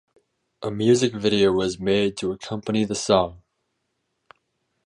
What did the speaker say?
A music video was made to accompany the song.